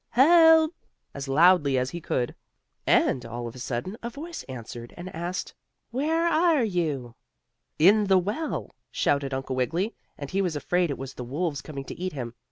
Help!" as loudly as he could. And all of a sudden a voice answered and asked: "Where are you?" "In the well," shouted Uncle Wiggily, and he was afraid it was the wolves coming to eat him.